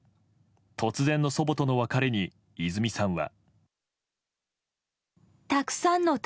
突然の祖母との別れに泉さんは。